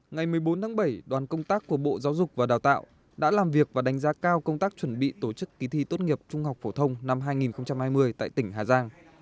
ngày một mươi bốn tháng bảy đoàn công tác của bộ giáo dục và đào tạo đã làm việc và đánh giá cao công tác chuẩn bị tổ chức kỳ thi tốt nghiệp trung học phổ thông năm hai nghìn hai mươi tại tỉnh hà giang